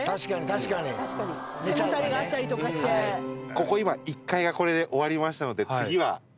ここ今１階がこれで終わりましたので。